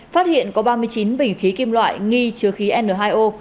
phát hiện có ba mươi chín bình khí kim loại nghi chứa khí n hai o